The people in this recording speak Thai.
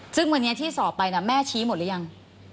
ซึ่งวันนี้ที่สอบไปแม่ชี้หมดหรือยัง